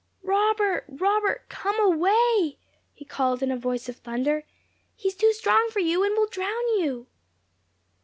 "Robert! Robert! COME AWAY!" he called in a voice of thunder; "he is too strong for you, and will drown you!"